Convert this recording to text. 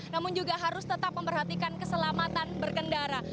namun juga harus tetap memperhatikan keselamatan berkendara